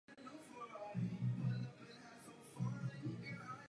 Narodil se v Cali v Kolumbii.